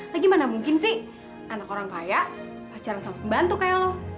lagi mana mungkin sih anak orang kaya pacaran sama pembantu kayak lo